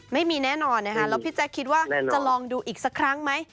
ไม่มีแน่นอนนะคะแล้วพี่แจ๊คคิดว่าจะลองดูอีกสักครั้งไหม